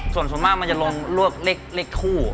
ส่วนส่วนมากมันจะลงลวกเลขคู่